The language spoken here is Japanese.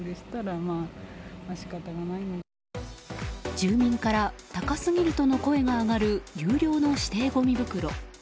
住民から高すぎるとの声が上がる有料の指定ごみ袋。